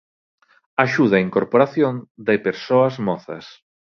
Axuda á incorporación de persoas mozas.